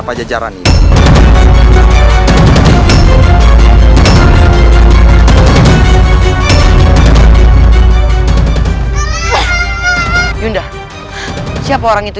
lepaskan anak itu